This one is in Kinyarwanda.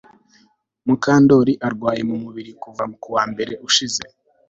Mukandoli arwaye mu buriri kuva kuwa mbere ushize